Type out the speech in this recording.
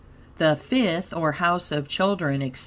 The Fifth, or House of Children, etc.